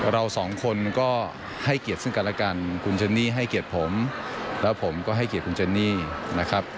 เราสองคนก็ให้เกียรติซึ่งกันแล้วกันคุณเจนนี่ให้เกียรติผมแล้วผมก็ให้เกียรติคุณเจนนี่นะครับ